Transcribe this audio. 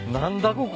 ここ。